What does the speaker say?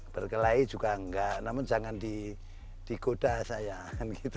berkelahi juga enggak namun jangan di goda sayang gitu